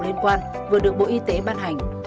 liên quan vừa được bộ y tế ban hành